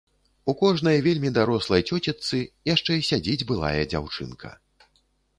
У кожнай вельмі дарослай цёцечцы яшчэ сядзіць былая дзяўчынка.